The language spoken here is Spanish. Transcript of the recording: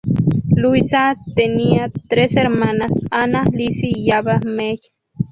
Louisa tenía tres hermanas, Anna, Lizzie y Abba May.